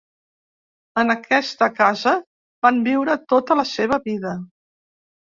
En aquesta casa van viure tota la seva vida.